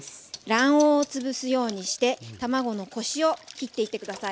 卵黄をつぶすようにして卵のコシをきっていって下さい。